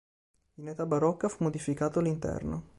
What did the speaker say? In età barocca fu modificato l'interno.